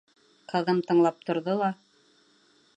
Ҡыҙым тыңлап торҙо ла: